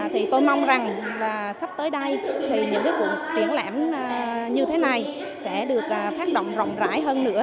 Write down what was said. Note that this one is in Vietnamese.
thì tôi mong rằng sắp tới đây thì những cái cuộc triển lãm như thế này sẽ được phát động rộng rãi hơn nữa